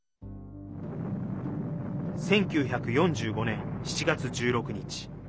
１９４５年７月１６日。